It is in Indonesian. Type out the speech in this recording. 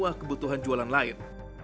tidak ada kebutuhan jualan lain